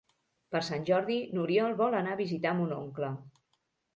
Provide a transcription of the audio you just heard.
Per Sant Jordi n'Oriol vol anar a visitar mon oncle.